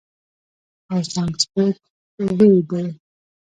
او سانسکریت ویی دی،